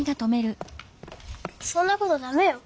そんなことだめよ。